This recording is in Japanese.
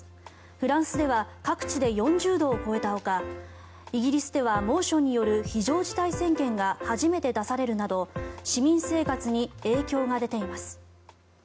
フランスでは各地で４０度を超えたほかイギリスでは猛暑による非常事態宣言が初めて出されるなど市民生活に影響が出ています。